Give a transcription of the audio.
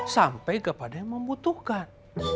sampe kepadanya membutuhkan